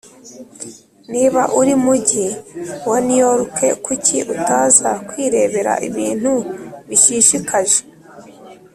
niba uri mugi wa New York kuki utaza kwirebera ibintu bishishikaje